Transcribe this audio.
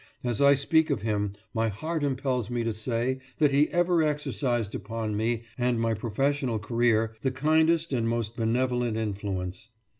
As I speak of him, my heart impels me to say that he ever exercised upon me and my professional career the kindest and most benevolent influence.